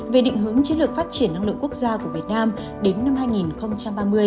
về định hướng chiến lược phát triển năng lượng quốc gia của việt nam đến năm hai nghìn ba mươi